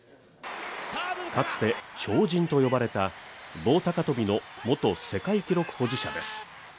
かつて鳥人と呼ばれた棒高跳びの元世界記録保持者です